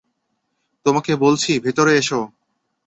তোমাকে বলছি, ভেতরে এসো।